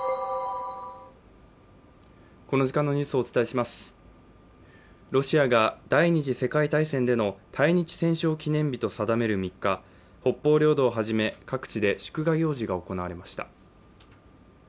しかしこのあとロシアが第２次世界大戦での対日戦勝記念日と定める３日北方領土をはじめ各地で祝賀行事が行われました